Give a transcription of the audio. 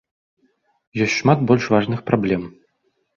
Ёсць шмат больш важных праблем.